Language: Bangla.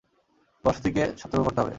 বসতিকে সতর্ক করতে হবে।